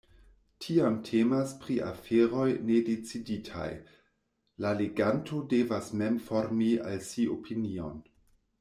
Tiam temas pri aferoj nedeciditaj: la leganto devas mem formi al si opinion.